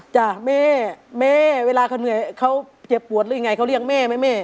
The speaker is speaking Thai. จ้ะแม่แม่เวลาเขาเหนื่อยเขาเจ็บปวดหรือยังไงเขาเรียกแม่ไหมแม่